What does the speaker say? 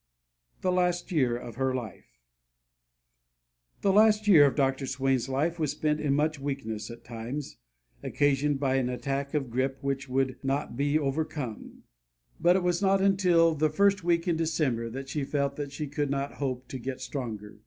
THE LAST YEAR OF HER LIFE The last year of Dr. Swain's life was spent in much weakness at times, occasioned by an attack of grippe which would not be overcome, but it was not until the first week in December that she felt that she could not hope to get stronger.